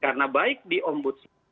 karena baik di ombudsman